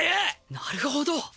なるほど。